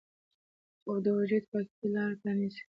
خوب د وجود پاکۍ ته لاره پرانیزي